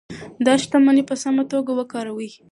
دا شتمني په سمه توګه وکاروئ.